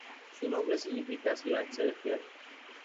Su nombre significa "ciudad celestial".